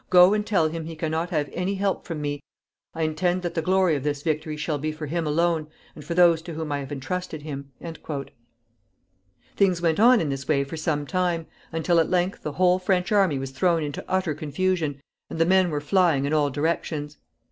"Go and tell him he can not have any help from me. I intend that the glory of this victory shall be for him alone, and for those to whom I have intrusted him." Things went on in this way for some time, until at length the whole French army was thrown into utter confusion, and the men were flying in all directions.